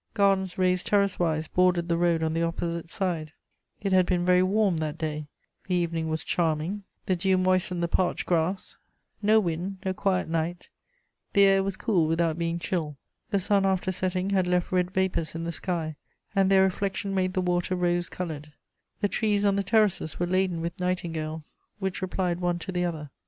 Gardens raised terrace wise bordered the road on the opposite side: it had been very warm that day; the evening was charming, the dew moistened the parched grass; no wind, a quiet night; the air was cool without being chill; the sun after setting had left red vapours in the sky, and their reflection made the water rose coloured; the trees on the terraces were laden with nightingales which replied one to the other.